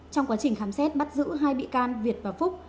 trong quá trình khám xét bắt giữ hai bị can việt và phúc